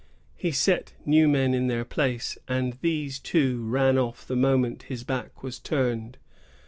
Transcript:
He sent new men in their place, and these too ran off the moment his back was turned.